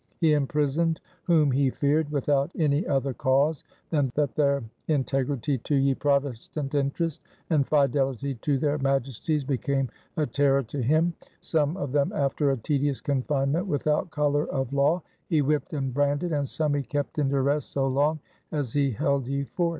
He imprisoned whom he feared, without any other cause than that their integrity to ye Protestant interest, and fidelity to their Majesties, became a terroire to him; some of them after a tedious confignment, without collour of law, he whipt and branded; and some he kept in duresse so long as he held ye fort.